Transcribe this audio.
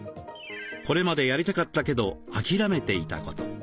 これまでやりたかったけどあきらめていたこと。